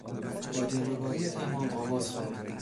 با دلربایی تمام آواز خواند.